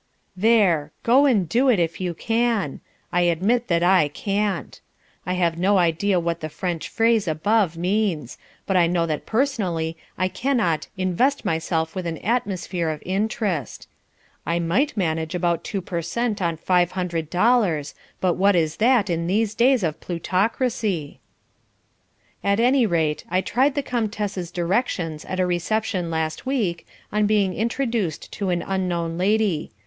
'" There! Go and do it if you can. I admit that I can't. I have no idea what the French phrase above means, but I know that personally I cannot "invest myself with an atmosphere of interest." I might manage about two per cent on five hundred dollars. But what is that in these days of plutocracy? At any rate I tried the Comtesse's directions at a reception last week, on being introduced to an unknown lady.